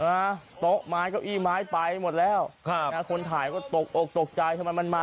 มาโต๊ะไม้เก้าอี้ม้ายไปหมดแล้วคราวคนถ่ายก็ตกโอ้คตกใจมันมันมา